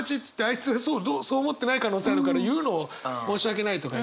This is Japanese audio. いつそう思ってない可能性あるから言うのを申し訳ないとかね。